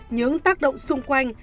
những tác động xung quanh